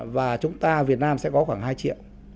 và chúng ta việt nam sẽ có khoảng hai triệu